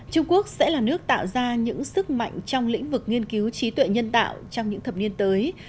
trung quốc sẽ là nước tạo ra những sức mạnh trong lĩnh vực nghiên cứu trí tuệ nhân tạo trong những thập niên tới